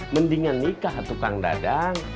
mendingan nikah tukang dadang